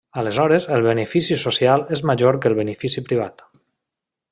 Aleshores el benefici social és major que el benefici privat.